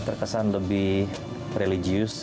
terkesan lebih religius gitu